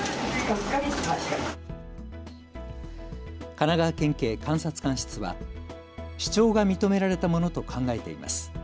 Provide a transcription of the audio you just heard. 神奈川県警監察官室は主張が認められたものと考えています。